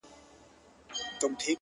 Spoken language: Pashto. • دا وړانګي له خلوته ستا یادونه تښتوي,